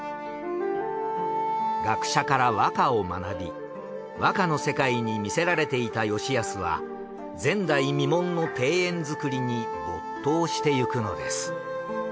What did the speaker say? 学者から和歌を学び和歌の世界に魅せられていた吉保は前代未聞の庭園造りに没頭してゆくのです。